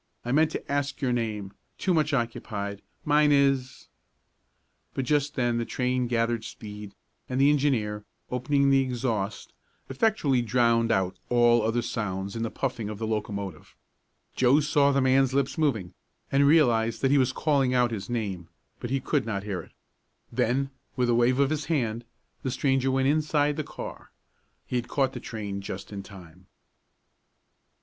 I meant to ask your name too much occupied mine is " But just then the train gathered speed and the engineer, opening the exhaust, effectually drowned out all other sounds in the puffing of the locomotive. Joe saw the man's lips moving, and realized that he was calling out his name, but he could not hear it. Then, with a wave of his hand the stranger went inside the car. He had caught the train just in time.